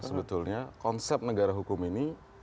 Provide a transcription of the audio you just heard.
sebetulnya konsep negara hukum ini